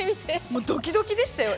もうドキドキでしたよ。